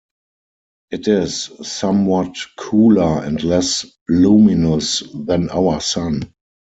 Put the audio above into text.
It is somewhat cooler and less luminous than our Sun.